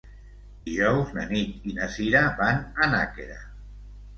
Dijous na Nit i na Sira van a Nàquera.